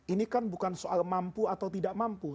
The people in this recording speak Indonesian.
ini kan bukan soal mampu atau tidak mampu